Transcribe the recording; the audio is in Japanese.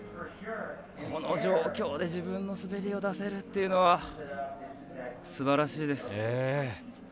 この状況で自分の滑りを出せるというのはすばらしいです。